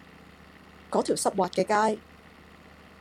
嗰條濕滑嘅街